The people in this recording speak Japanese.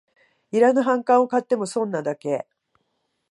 いらぬ反感を買っても損なだけ